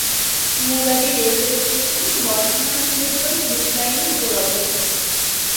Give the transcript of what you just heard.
Murarai railway station Bardhaman Sahebganj loop লাইনের উপর অবস্থিত।